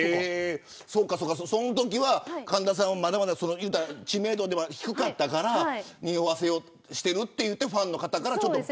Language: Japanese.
そのときは神田さんは知名度は低かったからにおわせをしてるってファンの方から。